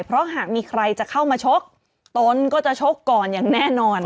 เพราะหากมีใครจะเข้ามาชกตนก็จะชกก่อนอย่างแน่นอน